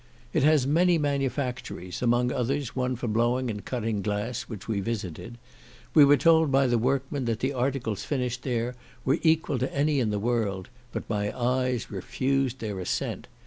It has many manufactories, among others, one for blowing and cutting glass, which we visited. We were told by the workmen that the articles finished there were equal to any in the world; but my eyes refused their assent.